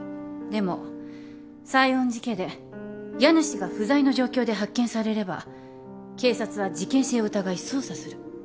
でも西園寺家で家主が不在の状況で発見されれば警察は事件性を疑い捜査する。